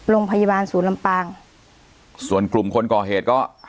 โรงพยาบาลศูนย์ลำปางส่วนกลุ่มคนก่อเหตุก็